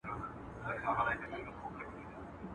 تفریح د انسان ذهن تازه کوي